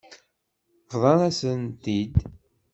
Bḍan-asen-t-id.